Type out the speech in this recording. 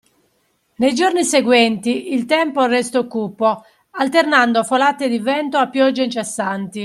Nei giorni seguenti, il tempo resto cupo, alternando folate di vento a piogge incessanti.